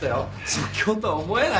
即興とは思えない。